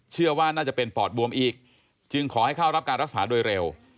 เชื่อว่าน่าจะเป็นปอดบวมอีกจึงขอให้เข้ารับการรักษาโดยเร็ว